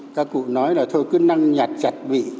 các cụ nói là thôi cứ năng nhặt chặt bị